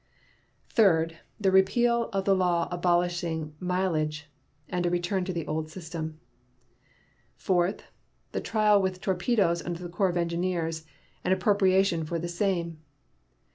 Third. The repeal of the law abolishing mileage, and a return to the old system. Fourth. The trial with torpedoes under the Corps of Engineers, and appropriation for the same.